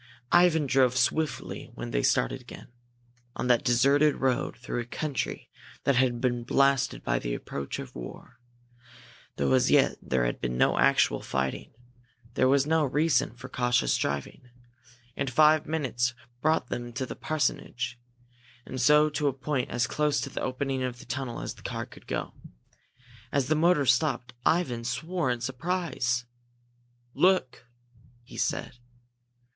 Ivan drove swiftly when they started again. On that deserted road, through a country that had been blasted by the approach of war, though as yet there had been no actual fighting, there was no reason for cautious driving. And five minutes brought them to the parsonage, and so to a point as close to the opening of the tunnel as the car could go. As the motor stopped Ivan swore in surprise. "Look!" he said.